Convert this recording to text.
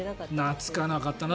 懐かなかったな。